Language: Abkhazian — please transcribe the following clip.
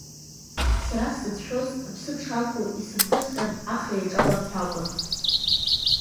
Сара сзыцәшәоз аԥсы дшақәу исымпыҵҟьан ахра иаҿалар ҳәа акәын.